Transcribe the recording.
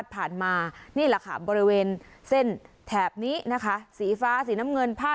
โดยการติดต่อไปก็จะเกิดขึ้นการติดต่อไป